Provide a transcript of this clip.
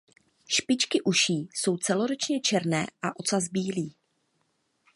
Špičky uší jsou celoročně černé a ocas bílý.